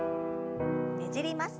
ねじります。